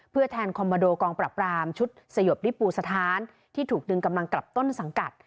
เพื่อแทนคอมโมโดกองปรับรามชุดสยบริปูสถานที่ถูกดึงกำลังกลับต้นสังกัด